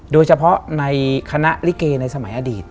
โดยเฉพาะในคณะลิเกในสมัยอดีต